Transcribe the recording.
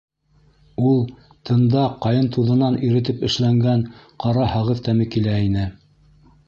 Ул тында ҡайын туҙынан иретеп эшләнгән ҡара һағыҙ тәме килә ине.